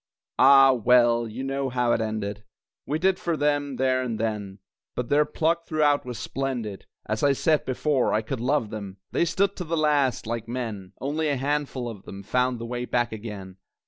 Ah, well you know how it ended We did for them, there and then, But their pluck throughout was splendid. (As I said before, I could love them!) They stood to the last, like men Only a handful of them Found the way back again.